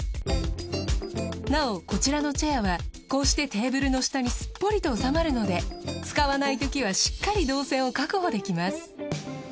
なおこちらのチェアはこうしてテーブルの下にすっぽりと収まるので使わないときはしっかり動線を確保できます。